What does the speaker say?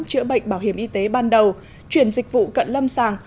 chữa bệnh bảo hiểm y tế ban đầu chuyển dịch vụ cận lâm sàng